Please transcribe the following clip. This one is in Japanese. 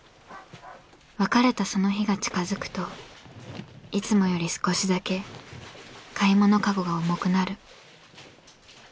別れたその日が近づくといつもより少しだけ買い物かごが重くなる。